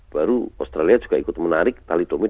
baru australia juga ikut menarik telodomid